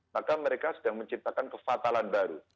maka mereka sedang menciptakan kefatalan baru